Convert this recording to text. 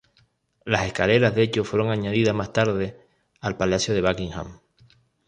Las escaleras, de hecho, fueron añadidas más tarde al Palacio de Buckingham.